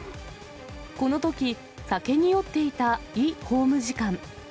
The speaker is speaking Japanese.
このとき、酒に酔っていたイ法務次官。